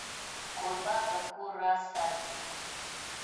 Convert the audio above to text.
کوربه د کور راز ساتي.